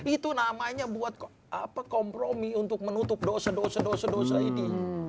itu namanya buat kompromi untuk menutup dosa dosa dosa dosa ini